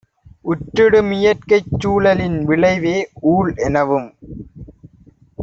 உற்றிடுமியற்கைச் சூழலின் விளைவே 'ஊழ்' எனவும்